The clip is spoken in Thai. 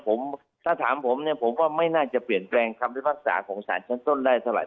ผมถ้าถามผมเนี่ยผมว่าไม่น่าจะเปลี่ยนแปลงคำพิพากษาของสารชั้นต้นได้เท่าไห